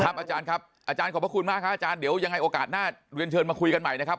อาจารย์ครับอาจารย์ขอบพระคุณมากครับอาจารย์เดี๋ยวยังไงโอกาสหน้าเรียนเชิญมาคุยกันใหม่นะครับ